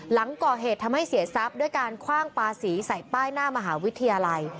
หลังก่อเหตุทำให้เสียทรัพย์ด้วยการคว่างปลาสีใส่ป้ายหน้ามหาวิทยาลัย